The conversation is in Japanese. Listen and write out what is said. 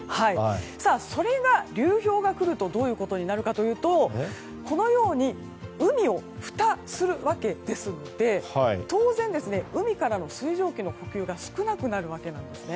それが流氷が来るとどういうことになるかというとこのように海をふたするわけですので当然、海からの水蒸気の補給が少なくなるわけです。